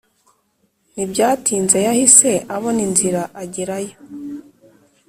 ntibyatinze yahise abona inzira agera yo